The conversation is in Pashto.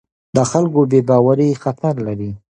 د خلکو بې باوري خطر لري